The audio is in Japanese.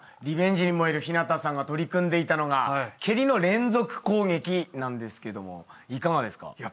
リベンジに燃える陽向さんが取り組んでいたのが蹴りの連続攻撃なんですけどもいかがですか？